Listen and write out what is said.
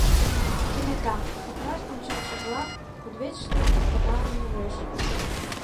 Кенета, окнаш ончалшыжла, кудывечыште понарым ужеш...